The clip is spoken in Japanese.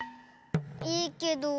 いいけど。